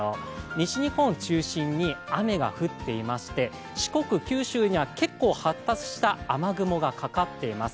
西日本中心に雨が降っていまして四国・九州には結構発達した雨雲がかかっています。